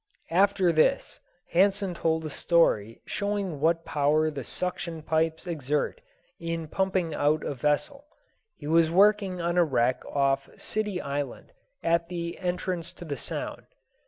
After this Hansen told a story showing what power the suction pipes exert in pumping out a vessel. He was working on a wreck off City Island, at the entrance to the Sound.